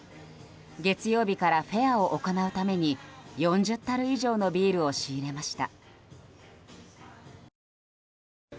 月曜日からフェアを行うために４０たる以上のビールを仕入れました。